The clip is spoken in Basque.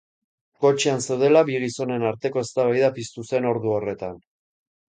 Kotxean zeudela, bi gizonen arteko eztabaida piztu zen ordu horretan.